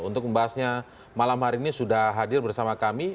untuk membahasnya malam hari ini sudah hadir bersama kami